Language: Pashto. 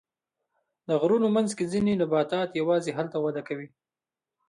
د غرونو منځ کې ځینې نباتات یوازې هلته وده کوي.